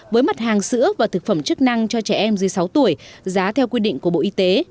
với mặt hàng sữa và thực phẩm chức năng cho trẻ em dưới sáu tuổi giá theo quy định của bộ y tế